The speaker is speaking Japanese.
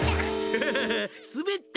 フフフフーすべった！